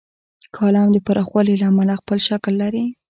کالم د پراخوالي له امله خپل شکل لري.